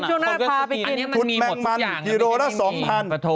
ช่วงหน้าพาไปกินแมงมันกิโลละ๒๐๐บาท